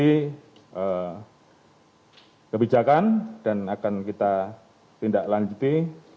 ini kebijakan dan akan kita tindak lanjuti